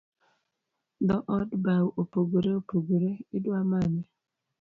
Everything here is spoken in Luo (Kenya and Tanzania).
Dhood bau opogore opogore, idua mane?